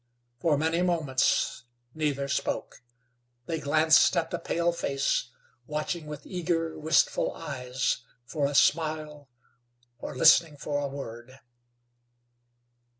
For many moments neither spoke. They glanced at the pale face, watching with eager, wistful eyes for a smile, or listening for a word.